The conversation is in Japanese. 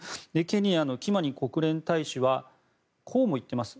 ケニアのキマニ国連大使はこうも言っています。